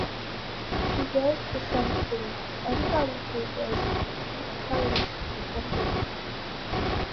She does the same thing to anybody who does not eat herrings and dumplings.